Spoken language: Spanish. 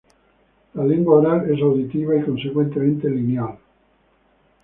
La lengua oral es auditiva y, consecuentemente, lineal.